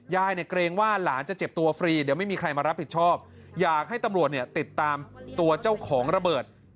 ยายเนี่ยเกรงว่าหลานจะเจ็บตัวฟรีเดี๋ยวไม่มีใครมารับผิดชอบอยากให้ตำรวจเนี่ยติดตามตัวเจ้าของระเบิด